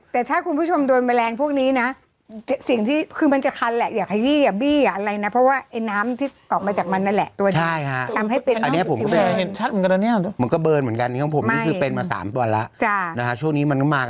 แต่ถ้าคุณผู้ชมโดนแมลงพวกนี้นะคือมันจะคันกว่าไอ้หี้แบบบี้อะไรนะ